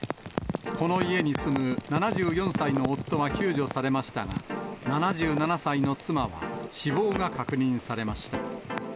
この家に住む７４歳の夫は救助されましたが、７７歳の妻は死亡が確認されました。